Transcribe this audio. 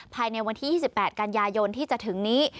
ภายในวันที่๒๘กันยายนที่จะถึงนี้